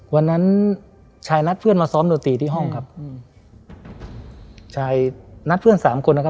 วันนั้นชายนัดเพื่อนมาซ้อมดนตรีที่ห้องครับอืมชายนัดเพื่อนสามคนนะครับ